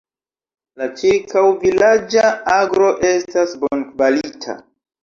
La ĉirkaŭ-vilaĝa agro estas bonkvalita.